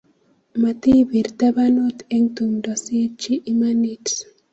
Matipir tabanut eng' tumdo siitchi imanit